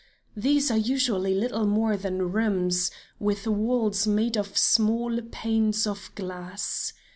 These are usually little more than rooms, with walls made of small panes of glass.